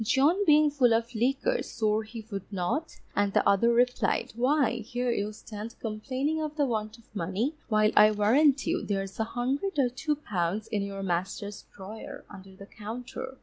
John being full of liquor swore he would not, and the other replied, _Why, here you stand complaining of the want of money, while I warrant you, there's a hundred or two pounds in your master's drawer under the counter.